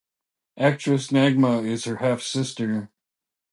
Actress Nagma is her half-sister.